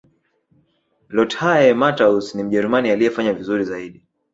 lotthae mattaus ni mjerumani aliyefanya vizuri zaidi